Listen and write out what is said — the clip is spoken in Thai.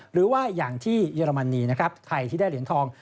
หรือว่าอย่างที่เยอรมนีนะครับไทยที่ได้เหรียญทอง